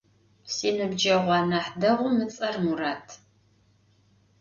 Sinıbceğu anah değum ıts'er Murat.